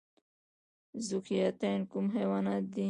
ذوحیاتین کوم حیوانات دي؟